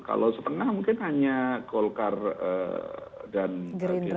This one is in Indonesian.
kalau setengah mungkin hanya golkar dan gerindra